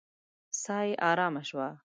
ساه يې آرامه شوه.